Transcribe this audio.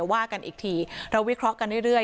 ว่ากันอีกทีเราวิเคราะห์กันเรื่อย